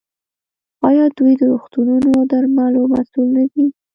آیا دوی د روغتونونو او درملو مسوول نه دي؟